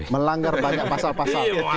melanggar banyak pasal pasal